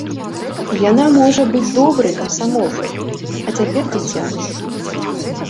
Яна можа быць добрай камсамолкай, а цяпер дзіця.